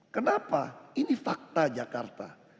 kenapa ini fakta jakarta